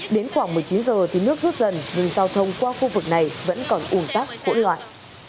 đến khoảng một mươi chín giờ thì nước rút dần nhưng giao thông qua khu vực này vẫn còn ủn tắc hỗn loạn